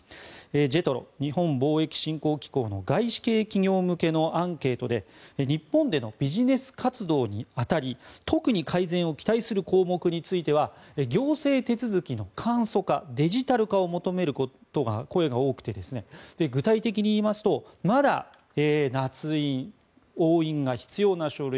ＪＥＴＲＯ・日本貿易振興機構の外資系企業向けのアンケートで日本でのビジネス活動に当たり特に改善を期待する項目については行政手続きの簡素化デジタル化を求める声が多くて具体的に言いますとまだなつ印、押印が必要な書類